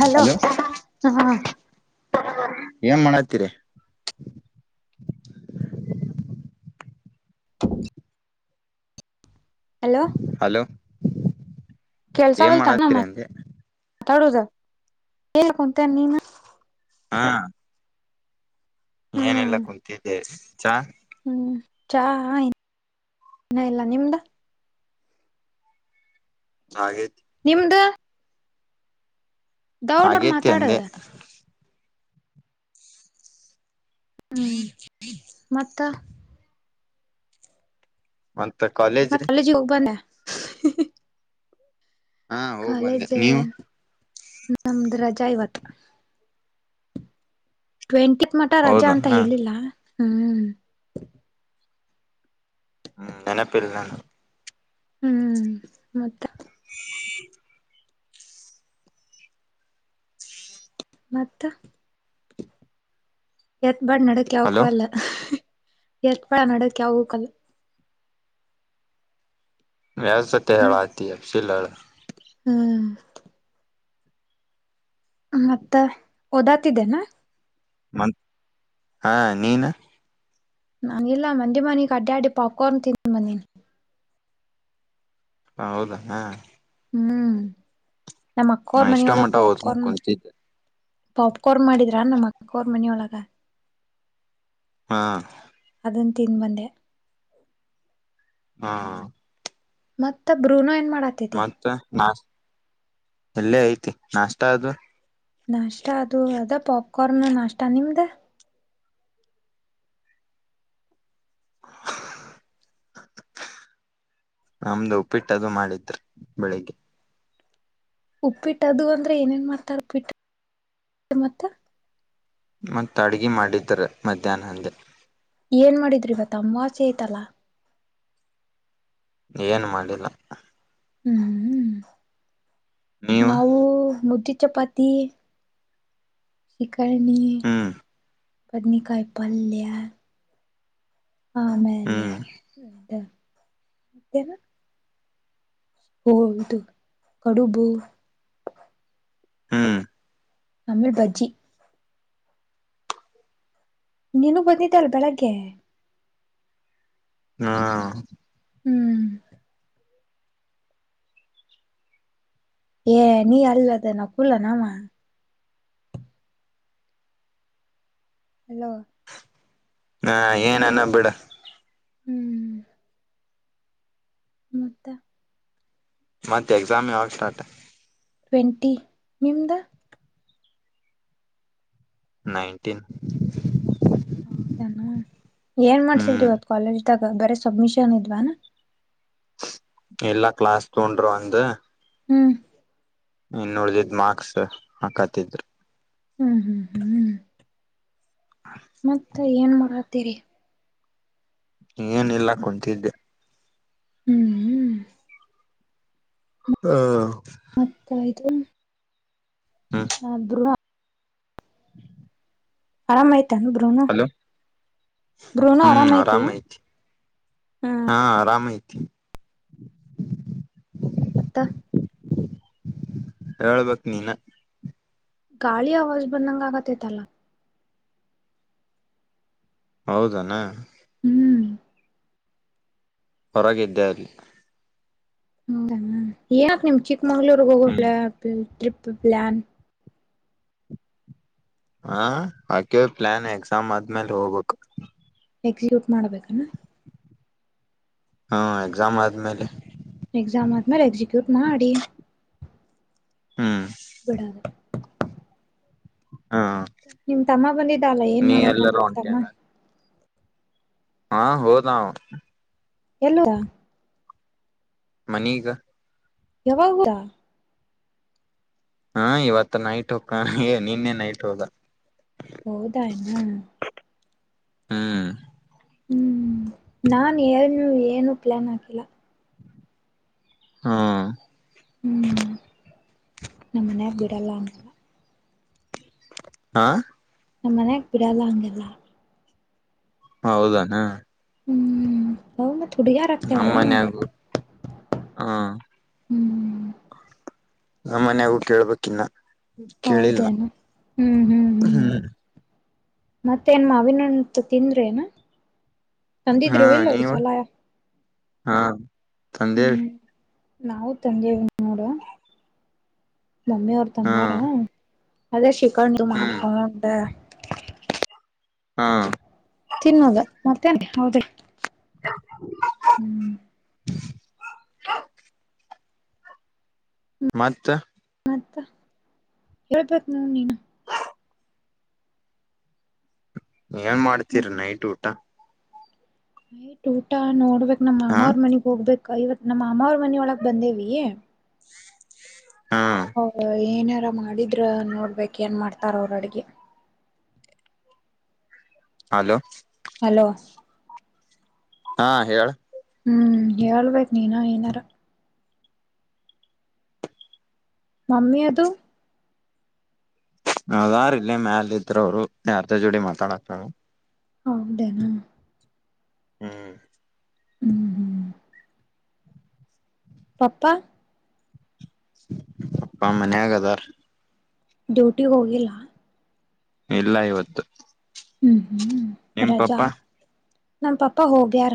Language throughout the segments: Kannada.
ಹಲೋ ಹ ಏನ್ ಮಾಡತೀರಿ [inaudible] ಹಲೋ ಹಲೋ ಏನ್ ಮಾಡಾಕ್ತೀರಿ ಅಂದೆ ಮಾತಾಡೋದು ಹೇಳಲ್ಲಂತ ನೀನ ಹಾ ಏನೆಲ್ಲ ಹ್ಮ್ ಕುಂತಿದ್ದೆ ಚಾ ಹ್ಮ್ ಚಾ ಇನ ಇಲ್ಲ ನಿಮ್ದ ಹಾಗೆ ನಿಮ್ದು ದೌಡರ್ ಆಗೇತಿ ಮಾತಾಡು ಅಂದೆ ಹ್ಮ್ ಮತ್ತ ವಲ್ಕ್ ಮತ್ ಕಾಲೇಜಿಗೆ ಹೋಗ್ಬಂದೆ [inaudible] ಹಾ ಹೋಗ್ಬಂದೆ ನೀವು ನಮ್ದ್ ರಜೆ ಇವತ್ತು ಟ್ವೆಂಟಿತ್ ಮಠ ರಜಾ ಹೌದಾ ಅಂತ ಹಾ ಹೇಳಿಲ್ಲ ಹ್ಮ ಹ್ಮ್ ನೆನಪೇರ್ ನಾನ ಹ್ಮ್ ಮತ್ತೆ [inaudible] ಮತ್ತ ಎತ್ ಬಟ್ ನಡಕ್ ಯಾವು ಹಲೋ ಕೊಡಲ್ಲ ಎತ್ ಬಳ ನಡಕ ಯಾವಕ್ಕಲ್ಲ ವ ಸ ತೆ ಹಾತ ಸಿೀಿಲ್ಲ [unintelligible] ಹ್ಮ್ ಮತ್ತ ಓದಾತಿದ್ದೇನಾ ಮ ಹಾ ನೀನು ನಾನ ಇಲ್ಲ ಮಂಡಿ ಮನಗ ಅಡ್ಡ ಅಡ್ಡಿ ಪಾಕೊಂಡ ತಿನ್ ಬಂದೀನಿ ಹ ಹೌದಾ ಹಾ ಹ್ಮ್ ನಮ್ಮ್ ನಾ ಅಕ್ಕೋರ್ ಇಷ್ಟೋ ಮನಿಯೋಡ ಮಟ ಓದ್ಕೊಂಡ್ ಪಪ್ಕೋರ್ನ ಕುಂತಿದ್ದೆ ಪಾಪ್ಕೋರ್ ಮಾಡಿದ್ರಾ ನಮ್ಮ ಅಕೋರ್ ಮನಿಯೊಳಗ ಹಾ ಅದನ್ನು ತಿನ್ ಮಂದ ಹಾ ಮತ್ತ ಬ್ರೂನೋ ಏನ್ ಮಾಡ ಮತ್ತ ನಾ ಎಲ್ಲೇ ಐತಿ ನಾಷ್ಟ ಅದು ನಾಷ್ಟ ಅದು ಅದ ಪಾಪ್ಕಾರ್ನ್ ನಾಷ್ಟ ನಿಮ್ದ ನಮ್ದು ಉಪ್ಪಿಟ್ಟದು ಮಾಡಿದ್ರ ಬೆಳಿಗ್ಗೆ ಉಪ್ಪಿಟ್ಟದು ಅಂದ್ರೆ ಏನೇನ್ ಮಾಡ್ತಾರ ಉಪ್ಪಿಟ್ಟ ಮತ್ತ ಮತ್ತು ಅಡ್ಗೆ ಮಾಡಿದ್ದಾರೆ ಮಧ್ಯಾಹ್ನ ಹಂದೆ ಏನ್ ಮಾಡಿದ್ರಿ ಇವತ್ತು ಅಮಾಸೆ ಐತಲ್ಲಾ ಏನ್ ಮಾಡಿಲ್ಲ ಹ್ಮ್ ಹ್ಮ್ ನೀವು ನಾವು ಮುಧೆ ಚಪಾತಿ ಶ [inaudible] ಕನ [unintelligible] ಹ್ಮ್ ಬಡ್ನೇಕೈ ಪಲ್ಯ ಆಮೇಲೆಯ ಹ್ಮ್ ಮತ್ಯ ಹ ಇದು ಕಡುಬು ಹ್ಮ್ ತಮಿಳ್ ಬಜ್ಜಿ ನೀನು ಬಂದಿದ್ದ ಅಲ್ ಬೆಳಗ್ಗೆ ಹಾ ಹ್ಮ್ ಏ ನೀ ಅಲ್ಲದ ನಾ ಕುೂಲ್ಲ ನಾಮ ಹಲೋ ಹಾ ಏನ್ ಅನ್ನ ಬಿಿಡ ಹ್ಮ್ ಮತ್ತ ಮತ್ತೆ ಎಕ್ಸಾಮ್ ಯಾವಾಗ ಸ್ಟಾರ್ಟ ಟ್ವೆಂಟಿ ನಿಮದ ನೈನ್ಟೀನ್ ಹೌದಾನ ಏನ್ ಮಾಡ್ಸಿದ್ಿ ಹ್ಮ್ ಇವತ್ ಕಾಲೇಜ್ ಬರ ಸಬ್ಮಿಷನ್ ಇದ್ವಾನಾ ಎಲ್ಲಾ ಕ್ಲಾಸ್ ತೊಂಡರು ಅಂದ ಹ್ಮ್ ಇನ್ ನೋಡ್ದಿದ ಮಾರ್ಕ್ಸ್ ಹಾಕತಿದ್ರು ಹ್ಮ್ ಹ್ಮ್ ಹ್ಮ್ ಹ್ಮ್ ಮತ್ತ ಏನ್ ಮಾಡರತೀರಿ ಏನಲ್ಲ ಕುಂತಿದ್ದೆ ಹ್ಮ್ ಹ್ಮ ಹಾ ಮತ್ ಇದು ಹ್ಮ್ ಅ ಆರಾಮ್ ಆಯ್ತ ಹಲೋ ಬ್ರೂನೋ ಹ್ಮ್ ಐತಿ ಆರಾಮ ಆಯತಿ ಹ್ಮ್ ಹಾ ಆರಾಮ ಆಯತ [inaudible] ಹತ್ತ ಹೇಳ್ಬೇಕಕ್ ನೀನ್ ಗಾಳಿ ಆವಾಜ್ ಬಂದಂಗ ಆಗತ್ತೈತಲ್ಲ ಹೌದನಾ ಹ್ಮ್ ಹೊರಗಿದ್ದೆ ಅಲ್ಲಿ ಯಾ ಏನ ಅಪ್ಪ ಮಂಗಳೂರುರಿಗೆ ಹೋಗ ಹ್ಮ್ ಪ್ಲಾನ್ ಅ ಪ್ಲನ್ ಹಾ ಯಾಕೆ ಪ್ಲಾನ್ ಎಕ್ಸಾಮ್ ಆದ್ಮೇಲೆ ಹೋಗ್ಬೇಕು ಎಕ್ಸಿಕ್ಯೂಟ್ ಮಾಡಬೇಕಣ ಹಾ ಎಕ್ಸಾಮ್ ಆದ್ಮೇಲೆ ಎಕ್ಸಾಮ್ ಆದ್ಮೇಲೆ ಎಕ್ಸಿಕ್ಯೂಟ್ ಮಾಡಿ ಹ್ಮ್ ಬಡ ಹಾ ನಿಮ ತಮ್ಮ ಬಂದಿದ್ದಲ್ಲ ಏನ್ ನೀ ಮಾಡತ್ತ ಎಲ್ಲರೂ ನಿಮ ತಮ್ಮ ಹೊಂಟೇನ ಹಾ ಹೋದ ನಾ ಎಲ್ಲ ಹೋದ ಮನೀಗ ಯಾವಾಗ ಹೋದ ಹಾ ಇವತ್ತ ನೈಟ್ ಹಕ್ಕ ನೀನ್ನೆ ನೈಟ್ ಹೋದ ಹೌದಾಯನಾ ಹ್ಮ್ ಹ್ಮ್ ನಾನ್ ಏನು ಪ್ಲಾನ್ ಹಾಕಿಲ್ಲ ಹಾ ನಮ್ಮ ಮನ್ಯಾಗ ಬಿಡಲ್ಲ ಅಂತ ಹಾ ನಮ್ಮ ಮನ್ಯಾಗ ಬಿಡಲ್ಲ ಹಂಗೆಲ್ಲ ಹ ಹೌದಾನ ಹ್ಮ್ ಹೌ ನಮ್ಮಮನ್ಯಾಗು ಹಾ ಹ್ಮ್ ನಮ್ಮ ಮನ್ಯಾಗೂ ಕೇಳ್ಬೇಕಿನ್ನ ಕೇಳಿಲ್ಲ ಹೌದೇನು ಹ್ಮ್ ಹ್ಮ್ ಹ್ಮ್ ಮತ್ತೇ ನ ಮಾವಿನ ಹಣ್ಣತಿಂದ್ರೇನ್ ಹಾ ನೀವು ಹಾ ತಂದೆವೀ ಹ್ಮ್ ನಾವು ತಂದೇವ ನೋಡ ಮಮ್ಮಿ ಅವ್ರ ಹಾ ತಂದಾರ ಅದ ಶ [unintelligible] ಕಂಡು ಹ್ಮ್ ಮಾಡ್ಕೊಂಡಟೆ ಹಾಂ ತಿನ್ನದ ಮತ್ತೇನ್ ಹೌದಲ್ಲ [unintelligible] ಹ್ಮ್ [unintelligible] ಮತ್ತ ಮತ ಹೇಳ್ಬೇಕ ನೀ ನೀನು ಏನ್ ಮಾಡ್ತೀರಿ ನೈಟ್ ಊಟ ನೈಟ್ ಊಟಾ ನೋಡ್ಬೇಕ ನಮ್ಮ ಹಾ ಮಾ ಅವ್ರ ಮನೆಗ ಹೋಗ್ಬೇಕ ಇವತ್ತು ನಮ್ಮ ಮಾಮಾ ಅವ್ರ ಮನೊಳಗೆ ಬಂದೇವಿ ಹಾ ಹ ಏನಾರ ಮಾಡಿದ್ರ ನೋಡ್ಬೇಕ ಏನ್ ಮಾಡ್ತಾರ ಅವ್ರ ಅಡಗಿ ಹಲೋ ಹಲೋ ಹಾ ಹೇಳ ಹ್ಮ್ ಹೇಳ್ಬೇಕು ನೀನು ಏನಾರ ಮಮ್ಮಿ ಅದು ಅದಾರ ಇಲ್ಲಿ ಮ್ಯಾಲ ಇದ್ರ ಅವ್ರು ಯಾರ ಜೋಡಿ ಮಾತಾಡಕತಾರ ಅವ್ರು ಹೌದೇನಾ ಹ್ಮ್ ಹ್ಮ್ ಹ್ಮ್ ಪಪ್ಪಾ ಅಪ್ಪ ಮನೆಯಾಗ ಅದಾರ ಡ್ಯೂಟಿ ಹೋಗಿಲ್ಲ ಇಲ್ಲ ಇವತ್ತು ಹ್ಮ್ ನಿಮ್ ಪಪ್ಪಾ ನಮ್ಮ ಪಾಪ ಹೋಗಯಾರ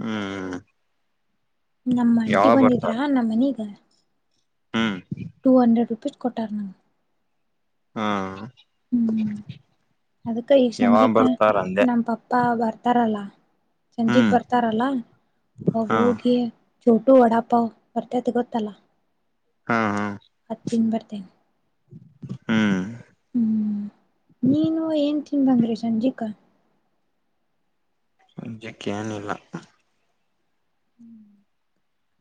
ಹ್ಮ್ ನಮ್ಮ ಅಂಟಿ ಯಾವಾಗ ಬಂದಿದ್ರಾ ಬರ್ತಾರ ನಮ್ಮನೀಗ ಹ್ಮ್ ಟು ಹಂಡ್ರೆಡ್ ರೂಪಿಸ್ ಕೊೊಟ್ಟಾರ ನ ಹಾ ಹ್ಮ್ ಅದಕ್ಕ ಈಗ ಯಾವಾಗ ಸಂಜಿಕ ಬರ್ತಾರ ಅಂದೆ ನಮ್ಮ ಪಪ್ಪಾ ಬರ್ತ ತರಲ ಸಂಜಿಗ್ ಹ್ಮ್ ಬರ್ತಾರಲ್ಲ ಅವಾಗ ಹಾ ಹೋಗಿ ಚೋಟು ವಡಾಪಾವ್ ಬರ್ತತಿಗೊತ್ತಲ್ಲ ಹಾ ಹಾ ಅದು ತಿಂದ ಭಾರತಿನಿ ಹ್ಮ್ ನೀನು ಏನ್ ತಿನ್ ಬಂದ್ರಿ ಸಂಜಿಕ ಸಂಜಕ್ಕೆ ಏನಿಲ್ಲ ್ಮ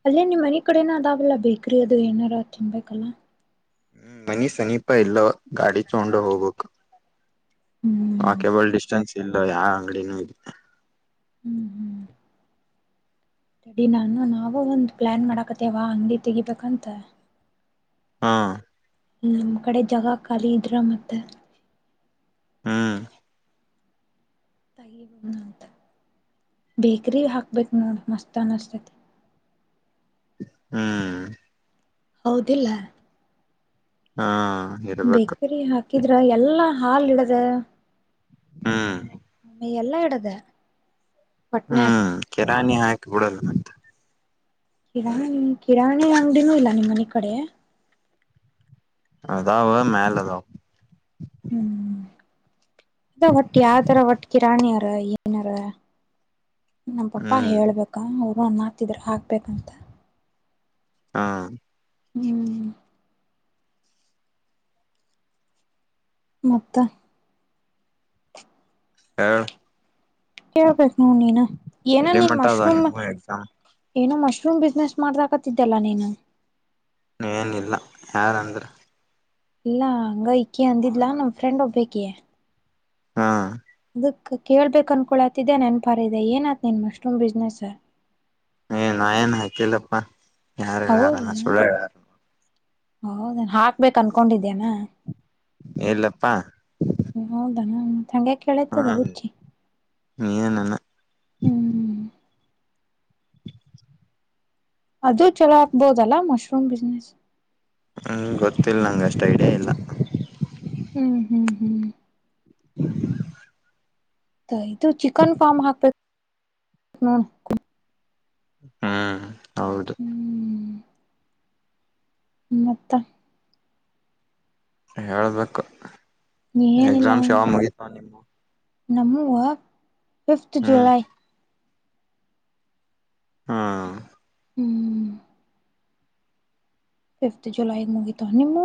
ಅಲ್ಲೇ ನಿಮ್ಮ್ ಮನೆ ಕಡೆನ ಅದಾವಲ್ಲ ಬೇಕ್ರಿ ಅದು ಏನಾರ ತಿನ್ಬೇಕಲ್ಲ ಹ್ಮ್ ಮನಿ ಸಮೀಪ ಇಲ್ಲ ಗಾಡಿ ಚೊಂಡ ಹೋಗ್ಬೇಕಕ್ು ಹ್ಮ್ ವಾಕ್ಯಬಲ್ ಡಿಸ್ಟೆನ್ಸ್ ಇಲ್ಲ ಯಾವ ಅಂಗಡಿನೂ ಇದೆ ಹ್ಮ್ ಹ್ಮ್ಡಿ ನಾನು ನಾವೂ ಒಂದ್ ಪ್ಲಾನ್ ಮಾಡಾಕತೇವಾ ಅಂಗಡಿ ತೆಗಿಬೇಕಂತ ಹಾ ನಮ್ ಕಡೆ ಜಾಗ ಖಾಲಿ ಇದ್ರ ಮತ್ತೆ ಹಾ್ ತಗಿ ಬನ ಅಂತ ಬೇಕ್ರ ಹಾಕ್ಬೇಕು ನೋಡು ಮಸ್ತ್ ಅನ್ನಿಸ್ತತಿ ಹ್ಮ್ ಹೌದಿಲ್ಲ ಹಾ ಇರ್ಬೇಕು ಬೇಕರಿ ಹಾಕ ಿದ್ರ ಎಲ್ಲಾ ಹಾಲ್ ಇಡದ ಹ್ಮ್ ಆೇ ಎಲ್ಲಾ ಇಡದ ಪಟ್ನಾಗ ಕೆರಾಣಿ ಹಾಕಿ ಬಿಡಲ್ಲ ಮಂತ ಕಿರಾಣಿ ಕಿರಾಣಿ ಅಂಗಡಿನೂ ಇಲ್ಲ ನಿಮ್ಮ್ ಮನೆ ಕಡೆ ಅಾವ ಮೇಲೆ ಅದಾವ ಹ್ಮ್ ಅದ ಒಟ್ಟು ಯಾವ್ದಾರ ಒಟ್ಟ ಕಿ ರಾಣಿ ಯಾರ ಏನಾರ ನಮ್ ಪಾಪಾ ಹ್ಮ್ ಹೇಳ್ಬೇಕಾ ನ ಮಾತಿದರೆೆ ಹಾಕ್ಬೇಕಂತ ಹಾ ಹ್ಮ ಹ ಮತ್ತ ಹಾ ಹೇಳ್ಬೇಕು ನ ನೀನು ಏನ ನೀನ್ ಮಟ್ಟ ಅದ ಮಶ್ರೂಮ್ ನಿಮ್ಮು ಎಕ್ಸಾಮ್ ಏನೋ ಮಶ್ರೂಮ್ ಬಿಸ್ನೆಸ್ ಮಾಡ್ದಕತ್ತಿದ್ದಲ್ಲ ನೀನು ಏನಿಲ್ಲ ಯಾರಂದ್ರೆ ಇಲ್ಲಾ ಹಂಗ ಇಕೆ ಅಂದಿದ್ಲಾ ನಮ ಫ್ರೆಂಡ್ ಒೋಗ್ಬೇಕೆ ಹಾ ದ ಕೇಳ್ಬೇಕು ಅನ್ಕೊಳ್ತಿದ್ದೆ ನನ್ಪಾರದೆ ಏನತ ನಿನ್ ಮಶ್ರೂಮ್ ಬಿಸ್ನೆಸ್ ಏ ನ ಏನ್ ಹಾಕಿಲ್ಲಪ್ಪಾ ಯಾರು ಯಲ್ಲಾರುಣಾ ಸುಳ್ಳ ಯಾರು ಹಓದ ಹಾಕ್ಬೇಕಕ್ ಅನ್ಕೊಂಡಿದ್ದೇನಾ ಇಲ್ಲಪ್ಪಾ ತಂಗೆ ಕೆಳತ ಹ್ಮ ದೌಚಿ ಏನಾನ ಹ್ಮ್ ಅದು ಚಲೋ ಆಗ್ಬೋದಲ್ಲಾ ಮಶ್ರೂಮ್ ಬಿಸ್ನೆಸ್ ಹ ಗೊತ್ತಿಲ್ಲ ನಂಗೆ ಅಷ್ಟು ಐಡಿಯಾ ಇಲ್ಲ ಹ್ಮ್ ಹ್ಮ್ ಹ್ಮ್ [inaudible] ಇದು ಚಿಕನ್ ಫಾರ್ಮ್ ಹಾಕ್ಬೇಕ ನೋ ಹಾ ಹೌದು ಹ್ಮ್ ಮತ್ತ ಹೇಳಬೇಕು ಎಕ್ಸಾಮ್ ಶಾವ ಮುಗತ ನಿಮ್ಮ ನಮುವ ಫಿಫ್ಥ ಹ್ಮ್ ಜುಲೈ ಹಾ ಹ್ಮ್ ಫಿಫ್ತ್ ಜುಲೈಗೆ ಮುಗಿತಾ ನಿಮ್ಮ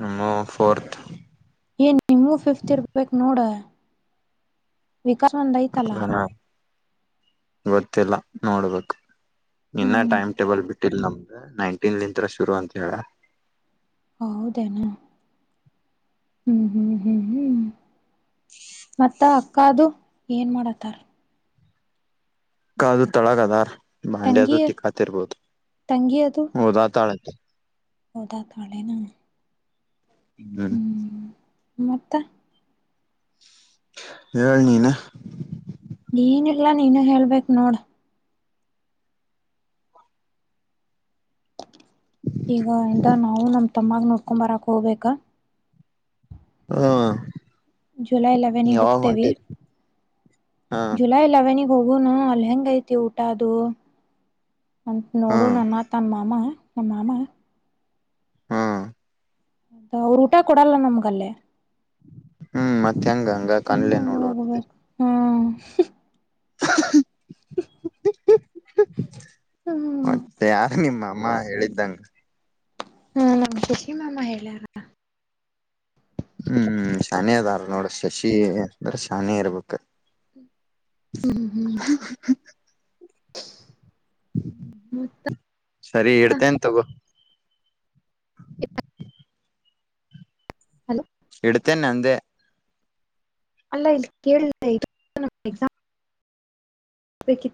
ನಮ್ಮ ಫೋರ್ತ್ ಏನ್ ನಿಮ್ಮೂ ಫಿಫ್ತ್ ಇರ್ಬೇಕ್ ನೋಡ ವಿಕಾಸಂದೈ ತಲ ಗೊತ್ತಿಲ್ಲ ನೋಡ್ಬೇಕು ಇನ್ನ ಹ್ಮ್ ಟೈಮ್ ಟೇಬಲ್ ಬಿಟ್ಟಿಲ್ ನಮ್ದಗೆ ನೈನ್ಟೀನ್ತ್ರ ಶುರು ಅಂತ ಹೇಳ ಹೌದೇನು ಹ್ಮ್ ಹ್ಮ್ ಹ್ಮ್ ಹ್ಮ್ ಅತ್ತ ಅಕ್ಕ ಅದು ಏನು ಮಾಡತ್ತಾರ ಕದು ತೊಳಗ ಅದಾರ್ ಭಾಂಡ್ಯದು ತಂಗಿ ತಿಕ್ಕಾತಿರ್ಬೋದು ಹೋದಾ ತಾಳ [inaudible] ಹದ ತಡೆೆ ನ ಹ್ಮ್ಮ ಮತ್ತ ಹಳ್ ನೀನ ನೀನಿಲ್ಲಾ ನೀನು ಹೇಳ್ಬೇಕಕ್ ನೋಡ ಈಗ ಇಂದ ನಾವು ನಮ್ ತಮ್ಮಾಗ ನೋಡ್ಕೊ ಬರಕ್ ಹೋಗ್ಬೇಕ ಹ್ಮ ಜುಲೈ ಲೆವೆನಿಗೆ ಹೋಗ್ತೇವಿ ಹಾ ಜುಲೈ ಲೆವೆನಿ ಹೋಗುನು ಅಲ್ಲಿ ಹೆಂಗ ಐತಿ ಊಟ ಅದು ಅಂತ ಹಾ ನೋಡು ನನ್ನ ತಮ್ಮಮ್ಮ ನಮ್ಮಾಮಾ ಹಾ ಅದ ಅವ್ರ ಊಟ ಕೊಡಲ್ಲ ನಮ್ಗಲ್ಲೇ ಹ್ಮ್ ಮತ್ತೆ ಸುಮ್ಮನೆ ಹೋಗ್ಬೇಕು ಹ್ಮ [inaudible] [inaudible] [inaudible] ಹ್ಮ್ ಮತ್ತೆ ಯಾರು ನಿಮ್ಮ ಅಮ್ಮ ಹೇಳಿದ್ದಂಗ ಹ್ಮ ನಮ್ ಶಶಿ ಮಾಮ್ಮ ಹೇಳ್ಯಾರ ಹ್ಮ್ ಶಾನಿಯದಾರ ನೋಡ ಶಶಿ ಅಂದ್ರೆ ಶಾನಿಯ ಇರ್ಬೇಕ ಹ್ಮ್ ಹ್ಮ್ ಹ್ಮ್ ಹ್ಮ ಮ ಸರಿ ಇಡ್ತೇನ್ ತಗೋ ಹಲೋ ಇಡುತನೆೆ ಅಂದ ಅಲ್ಲ ಇಲ್ಲಿ ಕೇಳಳ್ [inaudible] [inaudible]